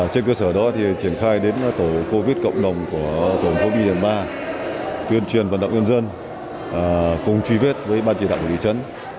trên cơ sở đó thì triển khai đến tổ covid cộng đồng của tổng phố my điền ba tuyên truyền vận động dân dân cùng truy vết với bang chỉ đạo thị trấn